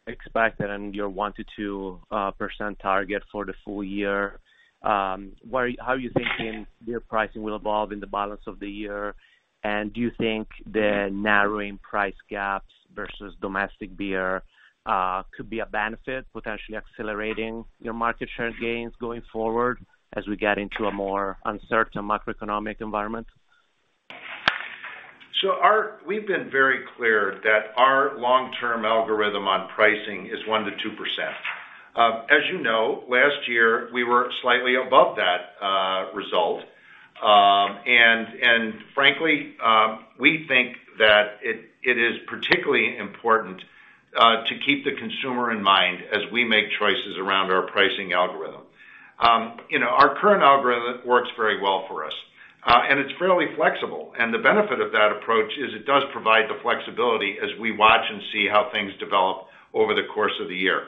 expected and your 1%-2% target for the full year. How are you thinking beer pricing will evolve in the balance of the year? Do you think the narrowing price gaps versus domestic beer could be a benefit, potentially accelerating your market share gains going forward as we get into a more uncertain macroeconomic environment? We've been very clear that our long-term algorithm on pricing is 1%-2%. As you know, last year, we were slightly above that result. Frankly, we think that it is particularly important to keep the consumer in mind as we make choices around our pricing algorithm. You know, our current algorithm works very well for us, and it's fairly flexible. The benefit of that approach is it does provide the flexibility as we watch and see how things develop over the course of the year.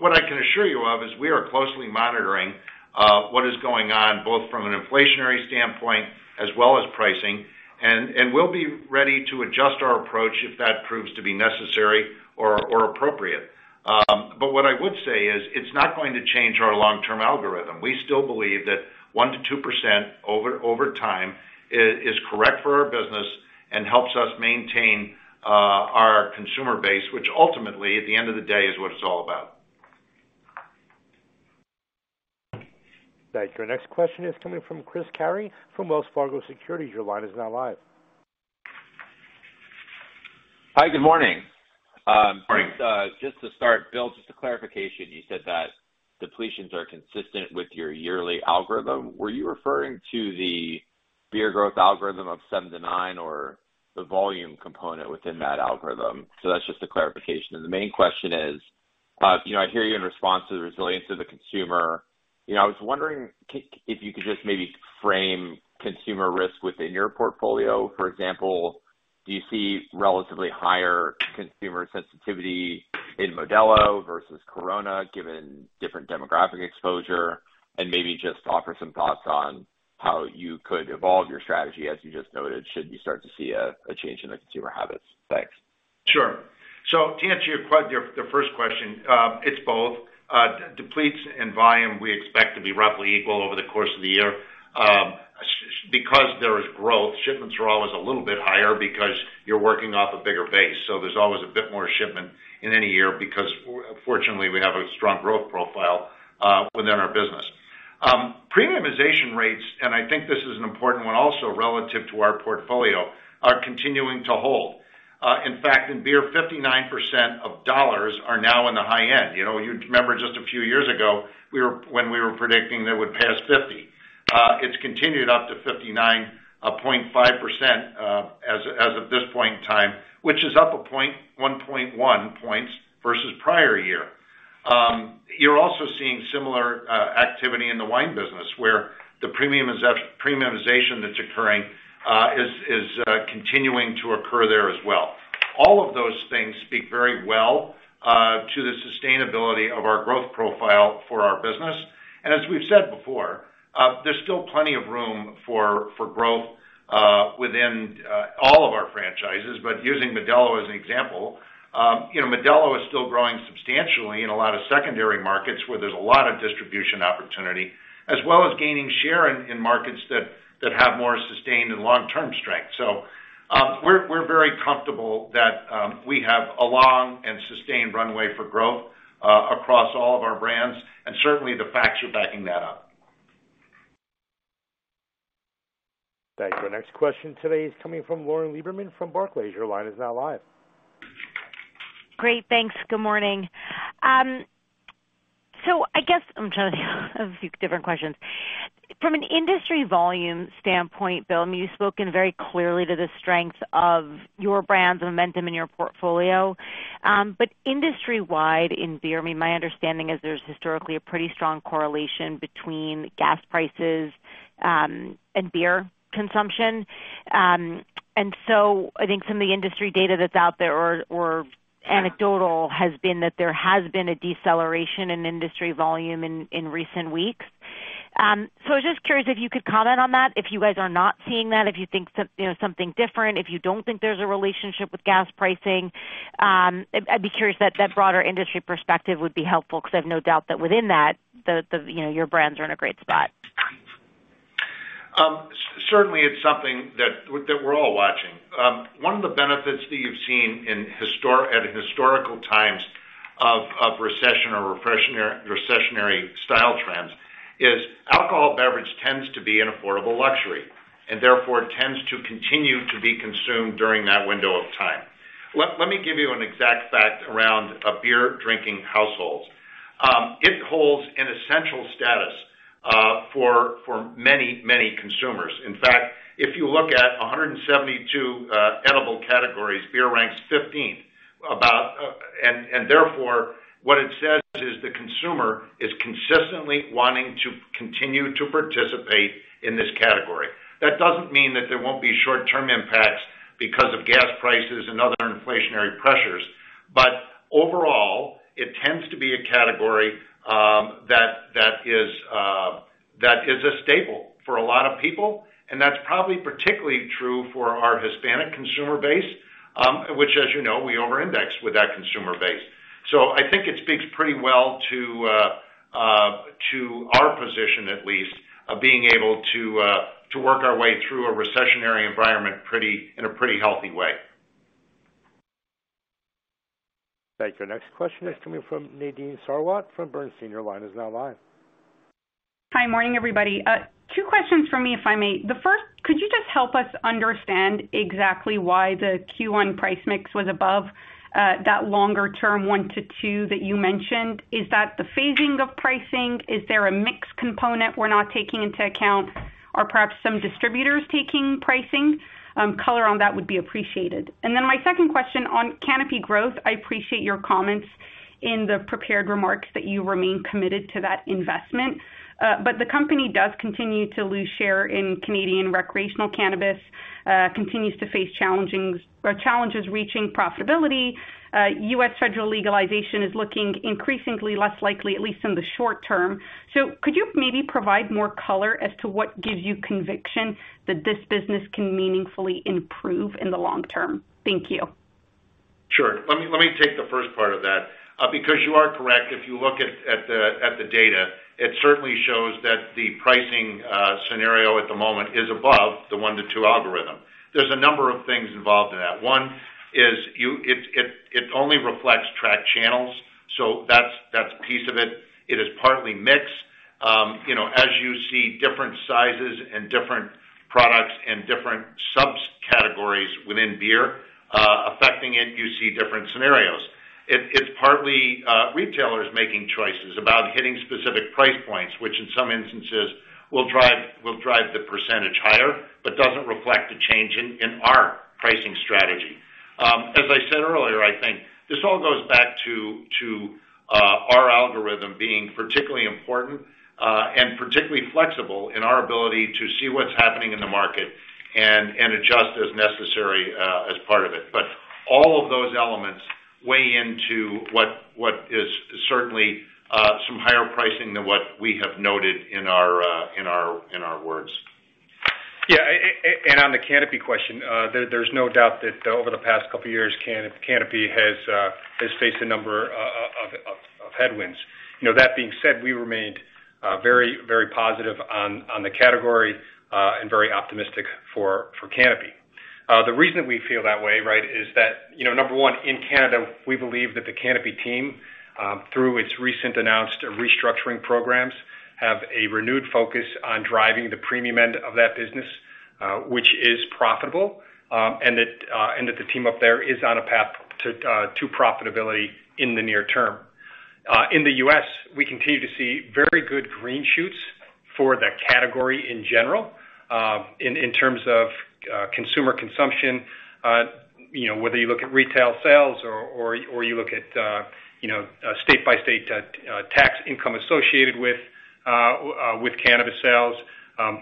What I can assure you of is we are closely monitoring what is going on, both from an inflationary standpoint as well as pricing, and we'll be ready to adjust our approach if that proves to be necessary or appropriate. What I would say is it's not going to change our long-term algorithm. We still believe that 1%-2% over time is correct for our business and helps us maintain our consumer base, which ultimately, at the end of the day, is what it's all about. Thank you. Our next question is coming from Chris Carey from Wells Fargo Securities. Your line is now live. Hi, good morning. Morning. Just to start, Bill, just a clarification. You said that depletions are consistent with your yearly algorithm. Were you referring to the beer growth algorithm of 7%-9% or the volume component within that algorithm? That's just a clarification. The main question is, you know, I hear you in response to the resilience of the consumer. You know, I was wondering if you could just maybe frame consumer risk within your portfolio. For example, do you see relatively higher consumer sensitivity in Modelo versus Corona, given different demographic exposure? And maybe just offer some thoughts on how you could evolve your strategy, as you just noted, should you start to see a change in the consumer habits? Thanks. Sure. To answer your question, the first question, it's both. Depletions and volume, we expect to be roughly equal over the course of the year. Because there is growth, shipments are always a little bit higher because you're working off a bigger base. There's always a bit more shipment in any year because fortunately, we have a strong growth profile within our business. Premiumization rates, and I think this is an important one also relative to our portfolio, are continuing to hold. In fact, in beer, 59% of dollars are now in the high end. You know, you'd remember just a few years ago, we were predicting they would pass 50%. It's continued up to 59.5%, as of this point in time, which is up 1.1 points versus prior year. You're also seeing similar activity in the wine business, where the premiumization that's occurring is continuing to occur there as well. All of those things speak very well to the sustainability of our growth profile for our business. As we've said before, there's still plenty of room for growth within all of our franchises. Using Modelo as an example, you know, Modelo is still growing substantially in a lot of secondary markets where there's a lot of distribution opportunity, as well as gaining share in markets that have more sustained and long-term strength. We're very comfortable that we have a long and sustained runway for growth across all of our brands, and certainly the facts are backing that up. Thank you. Next question today is coming from Lauren Lieberman from Barclays. Your line is now live. Great. Thanks. Good morning. I guess I'm trying to think of a few different questions. From an industry volume standpoint, Bill, I mean, you've spoken very clearly to the strength of your brand's momentum in your portfolio. Industry-wide in beer, I mean, my understanding is there's historically a pretty strong correlation between gas prices, and beer consumption. I think some of the industry data that's out there or anecdotal has been that there has been a deceleration in industry volume in recent weeks. I was just curious if you could comment on that, if you guys are not seeing that, if you think you know, something different, if you don't think there's a relationship with gas pricing. I'd be curious that broader industry perspective would be helpful because I have no doubt that within that the you know your brands are in a great spot. Certainly it's something that we're all watching. One of the benefits that you've seen in historical times of recession or recessionary style trends is alcoholic beverage tends to be an affordable luxury and therefore tends to continue to be consumed during that window of time. Let me give you an exact fact around a beer drinking household. It holds an essential status for many consumers. In fact, if you look at 172 edible categories, beer ranks 15th about. Therefore what it says is the consumer is consistently wanting to continue to participate in this category. That doesn't mean that there won't be short-term impacts because of gas prices and other inflationary pressures. Overall, it tends to be a category that is a staple for a lot of people, and that's probably particularly true for our Hispanic consumer base, which, as you know, we over-index with that consumer base. I think it speaks pretty well to our position, at least, of being able to work our way through a recessionary environment in a pretty healthy way. Thank you. Next question is coming from Nadine Sarwat from Bernstein. Your line is now live. Hi. Morning, everybody. Two questions from me, if I may. The first, could you just help us understand exactly why the Q1 price mix was above that longer term 1%-2% that you mentioned? Is that the phasing of pricing? Is there a mix component we're not taking into account? Or perhaps some distributors taking pricing? Color on that would be appreciated. My second question on Canopy Growth. I appreciate your comments in the prepared remarks that you remain committed to that investment. The company does continue to lose share in Canadian recreational cannabis, continues to face challenges reaching profitability. U.S. federal legalization is looking increasingly less likely, at least in the short term. Could you maybe provide more color as to what gives you conviction that this business can meaningfully improve in the long term? Thank you. Sure. Let me take the first part of that. Because you are correct, if you look at the data, it certainly shows that the pricing scenario at the moment is above the 1%-2% algorithm. There's a number of things involved in that. One is it only reflects track channels, so that's a piece of it. It is partly mix. You know, as you see different sizes and different products and different subcategories within beer affecting it, you see different scenarios. It's partly retailers making choices about hitting specific price points, which in some instances will drive the percentage higher, but doesn't reflect a change in our pricing strategy. As I said earlier, I think this all goes back to our algorithm being particularly important and particularly flexible in our ability to see what's happening in the market and adjust as necessary as part of it. All of those elements weigh into what is certainly some higher pricing than what we have noted in our words. Yeah. On the Canopy question, there's no doubt that over the past couple years, Canopy has faced a number of headwinds. You know, that being said, we remained very, very positive on the category and very optimistic for Canopy. The reason we feel that way, right, is that, you know, number one, in Canada, we believe that the Canopy team through its recent announced restructuring programs have a renewed focus on driving the premium end of that business, which is profitable, and that the team up there is on a path to profitability in the near term. In the U.S., we continue to see very good green shoots for the category in general. In terms of consumer consumption, you know, whether you look at retail sales or you look at state by state tax income associated with cannabis sales,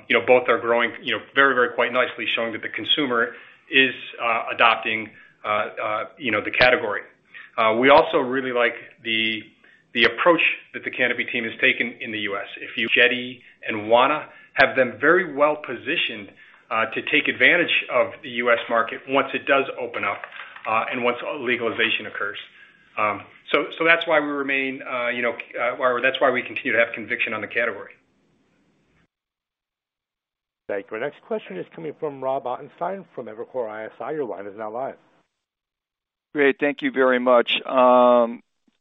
you know, both are growing, you know, very quite nicely, showing that the consumer is adopting, you know, the category. We also really like the approach that the Canopy team has taken in the U.S. Jetty and Wana have been very well positioned to take advantage of the U.S. market once it does open up and once legalization occurs. So that's why we continue to have conviction on the category. Thank you. Our next question is coming from Robert Ottenstein from Evercore ISI. Your line is now live. Great. Thank you very much.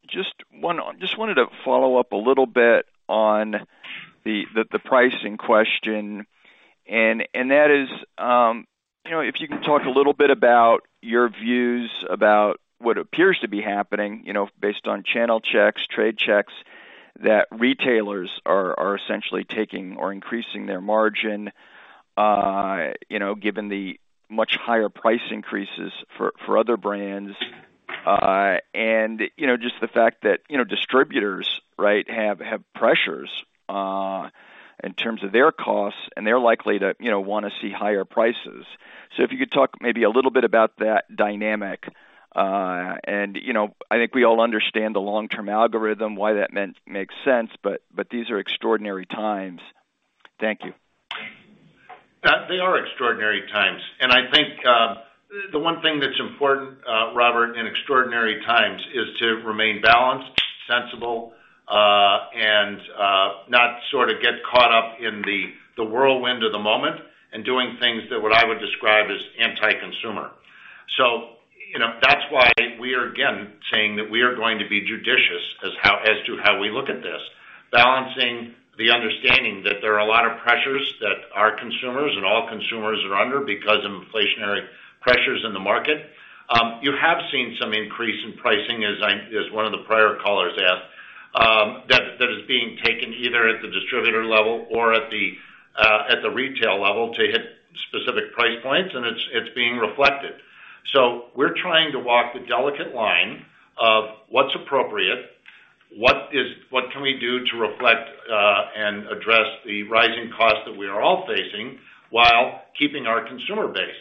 Just wanted to follow up a little bit on the pricing question. You know, if you can talk a little bit about your views about what appears to be happening, you know, based on channel checks, trade checks, that retailers are essentially taking or increasing their margin, you know, given the much higher price increases for other brands. You know, just the fact that, you know, distributors, right, have pressures in terms of their costs, and they're likely to, you know, wanna see higher prices. If you could talk maybe a little bit about that dynamic. You know, I think we all understand the long-term algorithm, why that makes sense, but these are extraordinary times. Thank you. They are extraordinary times. I think the one thing that's important, Robert, in extraordinary times is to remain balanced, sensible, and not sort of get caught up in the whirlwind of the moment and doing things that what I would describe as anti-consumer. You know, that's why we are, again, saying that we are going to be judicious as to how we look at this. Balancing the understanding that there are a lot of pressures that our consumers and all consumers are under because of inflationary pressures in the market. You have seen some increase in pricing, as one of the prior callers asked, that is being taken either at the distributor level or at the retail level to hit specific price points, and it's being reflected. We're trying to walk the delicate line of what's appropriate, what we can do to reflect and address the rising costs that we are all facing while keeping our consumer base.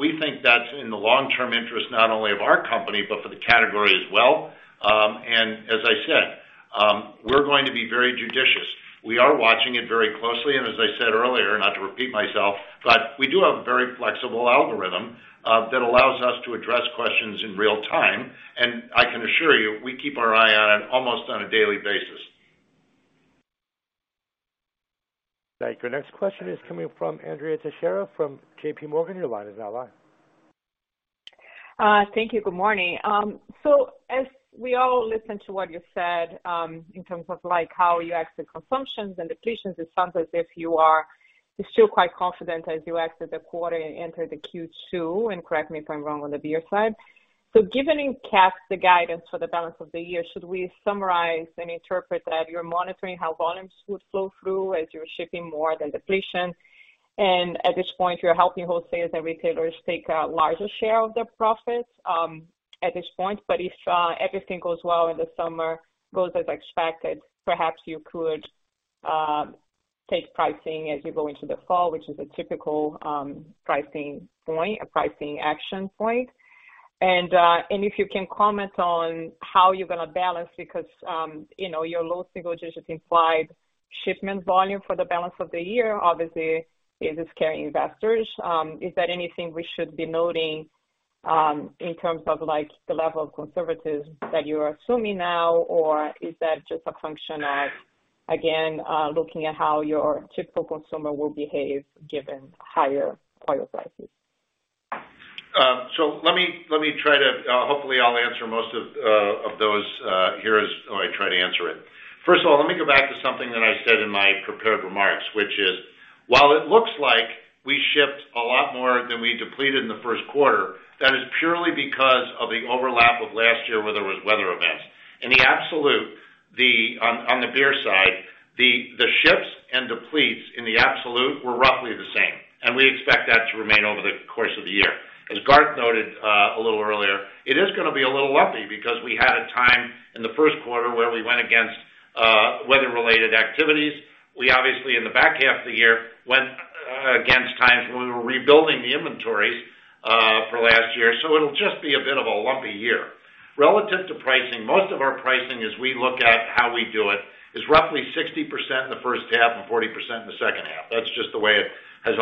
We think that's in the long-term interest, not only of our company, but for the category as well. As I said, we're going to be very judicious. We are watching it very closely. As I said earlier, not to repeat myself, but we do have a very flexible algorithm that allows us to address questions in real time. I can assure you, we keep our eye on it almost on a daily basis. Thank you. Our next question is coming from Andrea Teixeira from JPMorgan. Your line is now live. Thank you. Good morning. As we all listen to what you said, in terms of, like, how you exit consumptions and depletions, it sounds as if you are still quite confident as you exit the quarter and enter the Q2, and correct me if I'm wrong on the beer side. So given you cast the guidance for the balance of the year, should we summarize and interpret that you're monitoring how volumes would flow through as you're shipping more than depletion? At this point, you're helping wholesalers and retailers take a larger share of their profits, at this point. If everything goes well in the summer, goes as expected, perhaps you could take pricing as you go into the fall, which is a typical pricing point, a pricing action point. If you can comment on how you're gonna balance because, you know, your low single digits implied shipment volume for the balance of the year, obviously, it is scaring investors. Is there anything we should be noting in terms of, like, the level of conservatism that you are assuming now, or is that just a function of, again, looking at how your typical consumer will behave given higher oil prices? Hopefully I'll answer most of those. Here is how I try to answer it. First of all, let me go back to something that I said in my prepared remarks, which is, while it looks like we shipped a lot more than we depleted in the first quarter, that is purely because of the overlap of last year, where there was weather events. In the absolute, on the beer side, the ships and depletes in the absolute were roughly the same, and we expect that to remain over the course of the year. As Garth noted a little earlier, it is gonna be a little lumpy because we had a time in the first quarter where we went against weather-related activities. We obviously, in the back half of the year, went against times when we were rebuilding the inventories for last year. It'll just be a bit of a lumpy year. Relative to pricing, most of our pricing as we look at how we do it, is roughly 60% in the first half and 40% in the second half. That's just the way it has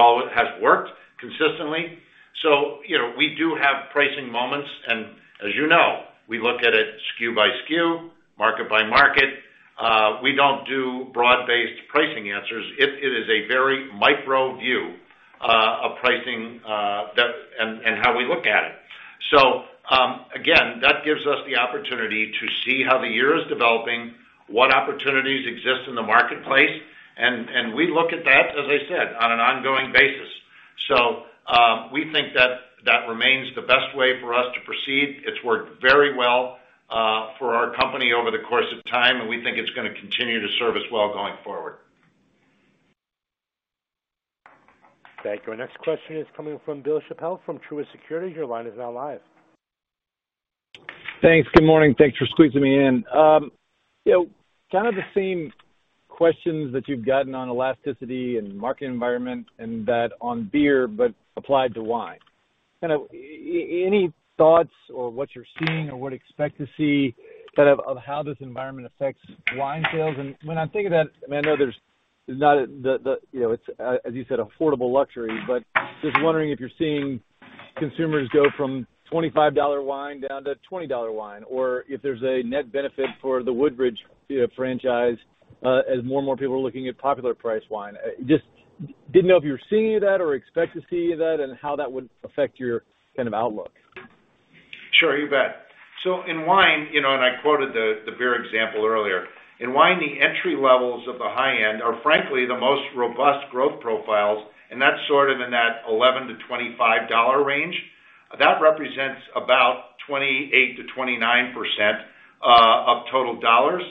worked consistently. You know, we do have pricing moments, and as you know, we look at it SKU by SKU, market by market. We don't do broad-based pricing answers. It is a very micro view of pricing that and how we look at it. Again, that gives us the opportunity to see how the year is developing, what opportunities exist in the marketplace, and we look at that, as I said, on an ongoing basis. We think that remains the best way for us to proceed. It's worked very well for the company over the course of time, and we think it's gonna continue to serve us well going forward. Thank you. Our next question is coming from Bill Chappell from Truist Securities. Your line is now live. Thanks. Good morning. Thanks for squeezing me in. You know, kind of the same questions that you've gotten on elasticity and market environment and that on beer, but applied to wine. Kind of any thoughts or what you're seeing or would expect to see kind of how this environment affects wine sales? When I think of that, I mean, I know there's not the, you know, it's, as you said, affordable luxury, but just wondering if you're seeing consumers go from $25 wine down to $20 wine or if there's a net benefit for the Woodbridge, you know, franchise, as more and more people are looking at popular price wine. Just didn't know if you were seeing any of that or expect to see any of that and how that would affect your kind of outlook. Sure, you bet. In wine, you know, and I quoted the beer example earlier. In wine, the entry levels of the high end are, frankly, the most robust growth profiles, and that's sort of in that $11-$25 range. That represents about 28%-29% of total dollars.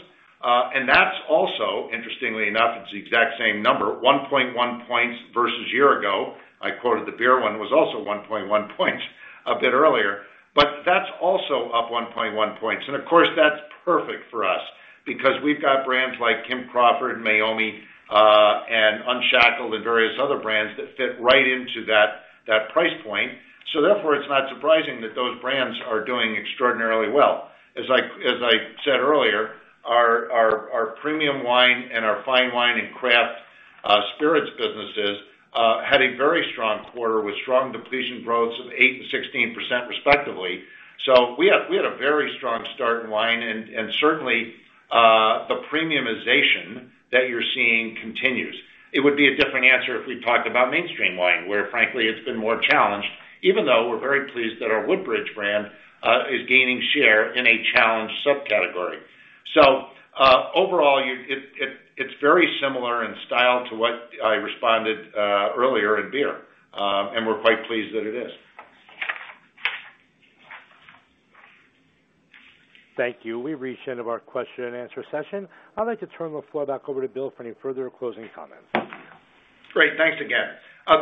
And that's also, interestingly enough, it's the exact same number, 1.1 points versus a year ago. I quoted the beer one was also 1.1 points a bit earlier, that's also up 1.1 points. Of course, that's perfect for us because we've got brands like Kim Crawford, Meiomi, and Unshackled and various other brands that fit right into that price point. Therefore, it's not surprising that those brands are doing extraordinarily well. As I said earlier, our premium wine and our fine wine and craft spirits businesses had a very strong quarter with strong depletion growths of 8% and 16% respectively. We had a very strong start in wine and certainly the premiumization that you're seeing continues. It would be a different answer if we talked about mainstream wine, where frankly, it's been more challenged, even though we're very pleased that our Woodbridge brand is gaining share in a challenged subcategory. Overall, it's very similar in style to what I responded earlier in beer. We're quite pleased that it is. Thank you. We've reached the end of our question and answer session. I'd like to turn the floor back over to Bill for any further closing comments. Great. Thanks again.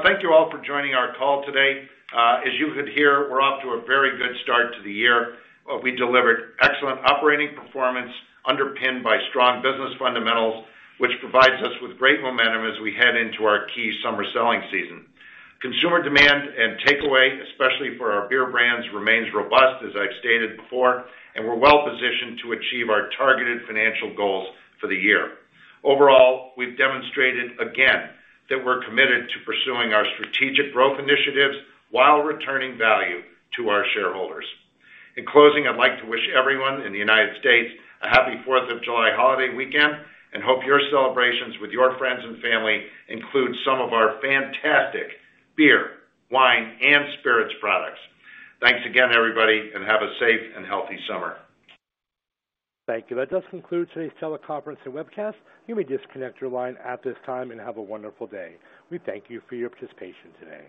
Thank you all for joining our call today. As you could hear, we're off to a very good start to the year. We delivered excellent operating performance underpinned by strong business fundamentals, which provides us with great momentum as we head into our key summer selling season. Consumer demand and takeaway, especially for our beer brands, remains robust, as I've stated before, and we're well-positioned to achieve our targeted financial goals for the year. Overall, we've demonstrated again that we're committed to pursuing our strategic growth initiatives while returning value to our shareholders. In closing, I'd like to wish everyone in the United States a happy Fourth of July holiday weekend and hope your celebrations with your friends and family include some of our fantastic beer, wine, and spirits products. Thanks again, everybody, and have a safe and healthy summer. Thank you. That does conclude today's teleconference and webcast. You may disconnect your line at this time and have a wonderful day. We thank you for your participation today.